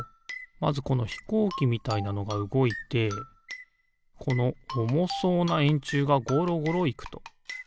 まずこのひこうきみたいなのがうごいてこのおもそうなえんちゅうがゴロゴロいくと。